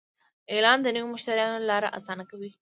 اعلان د نوي مشتریانو لاره اسانه کوي.